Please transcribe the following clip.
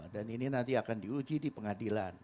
dan ini nanti akan diuji di pengadilan